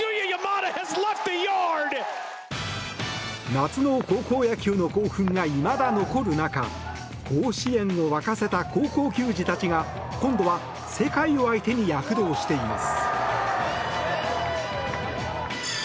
夏の高校野球の興奮がいまだ残る中甲子園を沸かせた高校球児たちが今度は世界を相手に躍動しています。